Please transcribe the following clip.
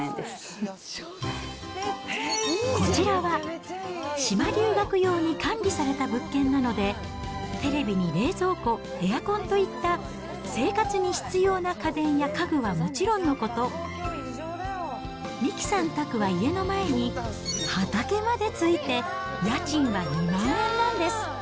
こちらは、島留学用に管理された物件なので、テレビに冷蔵庫、エアコンといった生活に必要な家電や家具はもちろんのこと、三木さん宅は家の前に畑までついて家賃は２万円なんです。